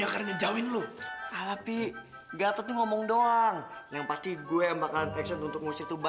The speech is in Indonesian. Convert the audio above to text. akarnya jauhin lu ala pi gata ngomong doang yang pasti gue bakalan teks untuk ngusir tuba